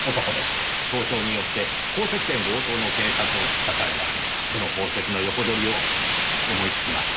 盗聴によって宝石店強盗の計画を知った彼はその宝石の横取りを思いつきました。